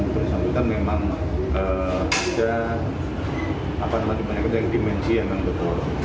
pemeriksaan kita memang ada dimensi yang bergolong